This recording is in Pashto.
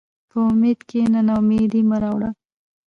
په امید کښېنه، ناامیدي مه راوړه.